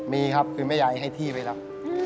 มีครับคือแม่ยายให้ที่ไปรับ